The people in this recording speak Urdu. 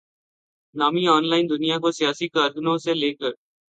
نامی آن لائن دنیا کو سیاسی کارکنوں سے لے کر